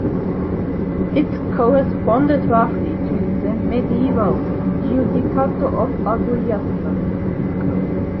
It corresponded roughly to the medieval Giudicato of Agugliastra.